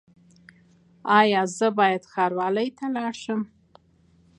ایا زه باید ښاروالۍ ته لاړ شم؟